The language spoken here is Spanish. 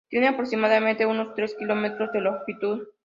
Tiene aproximadamente unos tres kilómetros de longitud.